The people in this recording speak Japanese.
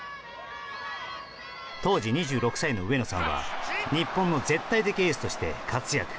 当時２６歳の上野さんは日本の絶対的エースとして活躍。